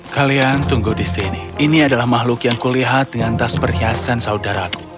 kalian tunggu di sini ini adalah makhluk yang kulihat dengan tas perhiasan saudaraku